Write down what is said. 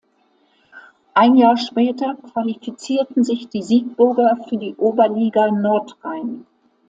Ein Jahr später qualifizierten sich die Siegburger für die Oberliga Nordrhein.